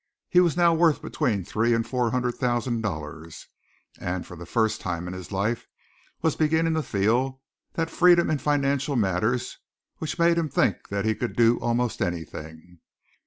He was now worth between three and four hundred thousand dollars and, for the first time in his life, was beginning to feel that freedom in financial matters which made him think that he could do almost anything.